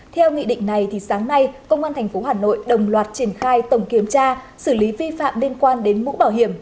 theo nghị định này thì sáng nay công an tp hà nội đồng loạt triển khai tổng kiểm tra xử lý vi phạm liên quan đến mũ bảo hiểm